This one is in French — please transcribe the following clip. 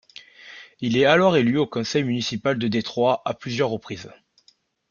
Il est alors élu au conseil municipal de Détroit à plusieurs reprises.